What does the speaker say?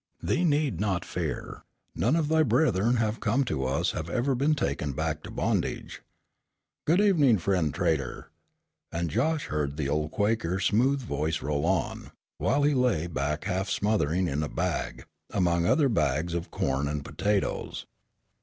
Thee need not fear. None of thy brethren who have come to us have ever been taken back to bondage. Good evening, Friend Trader!" and Josh heard the old Quaker's smooth voice roll on, while he lay back half smothering in a bag, among other bags of corn and potatoes.